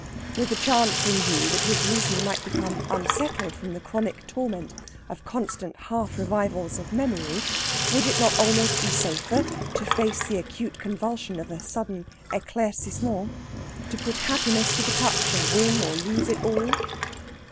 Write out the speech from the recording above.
With the chance in view that his reason might become unsettled from the chronic torment of constant half revivals of memory, would it not almost be safer to face the acute convulsion of a sudden éclaircissement to put happiness to the touch, and win or lose it all?